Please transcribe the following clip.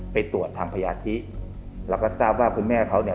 ไปตรวจทางพยาธิแล้วก็ทราบว่าคุณแม่เขาเนี่ย